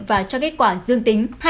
và cho kết quả dương tính